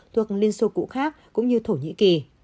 thuộc liên xô cũ khác cũng như thổ nhĩ kỳ